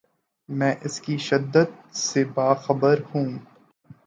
میں اس کی شدت سے باخبر ہوں۔